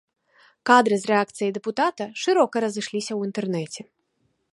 Кадры з рэакцыяй дэпутата шырока разышліся ў інтэрнэце.